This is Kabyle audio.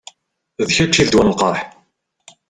D kečč i d ddwa n lqerḥ.